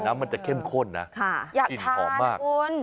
น้ำมันจะเข้มข้นนะอิ่มหอมมากอยากทานนะคุณ